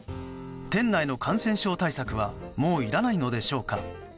店内の感染症対策はもういらないのでしょうか。